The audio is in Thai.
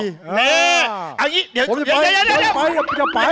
อย่าไปอย่าไป